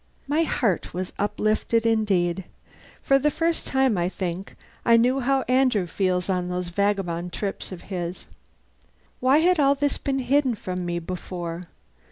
My heart was uplifted indeed. For the first time, I think, I knew how Andrew feels on those vagabond trips of his. Why had all this been hidden from me before?